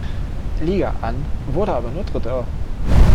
Liga an, wurde aber nur Dritter.